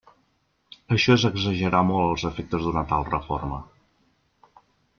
Això és exagerar molt els efectes d'una tal reforma.